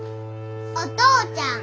お父ちゃん。